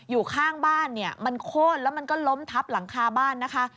อยู่ข้างบ้านเนี่ยมันโค้นแล้วมันก็ล้มทับหลังคาบ้านนะคะ